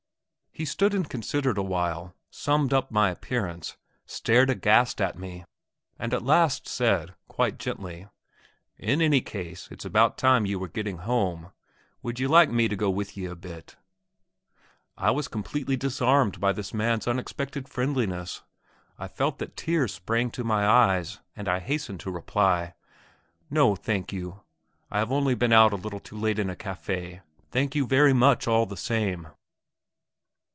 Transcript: He stood and considered a while, summed up my appearance, stared aghast at me, and at last said, quite gently, "In any case, it's about time ye were getting home. Would ye like me to go with ye a bit?" I was completely disarmed by this man's unexpected friendliness. I felt that tears sprang to my eyes, and I hastened to reply: "No, thank you! I have only been out a little too late in a café. Thank you very much all the same!"